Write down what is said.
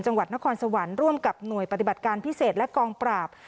จังหวัดนครสวรรค์ร่วมกับหน่วยปฏิบัติการพิเศษและกองปราบ